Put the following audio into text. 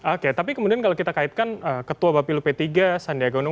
oke tapi kemudian kalau kita kaitkan ketua bapilu p tiga sandiaga uno